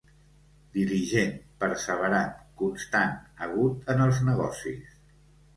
Diligent, perseverant, constant, agut en els negocis.